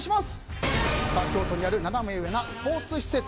京都にあるナナメ上なスポーツ施設